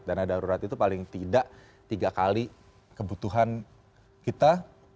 dana darurat itu paling tidak tiga kali kebutuhan kita